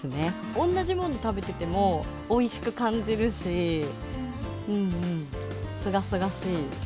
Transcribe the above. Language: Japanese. おんなじもの食べててもおいしく感じるし、すがすがしい。